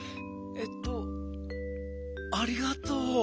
えっとありがとう。